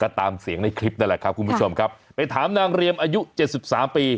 ตามเสียงในคลิปนั่นแหละครับคุณผู้ชมครับไปถามนางเรียมอายุเจ็ดสิบสามปี